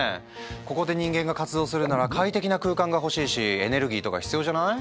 ここで人間が活動するなら快適な空間が欲しいしエネルギーとか必要じゃない？